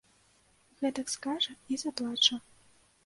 Гэтак скажа і заплача.